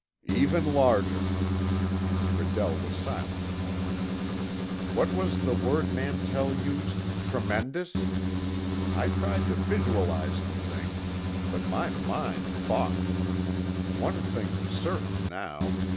"Even larger." Redell was silent a moment. "What was the word Mantell used—'tremendous'?" I tried to visualize the thing, but my mind balked. One thing was certain now.